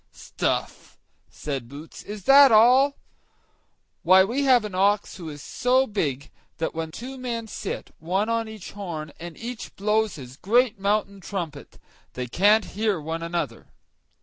"Stuff!" said Boots; "is that all? Why, we have an ox who is so big, that when two men sit, one on each horn, and each blows his great mountain trumpet, they can't hear one another."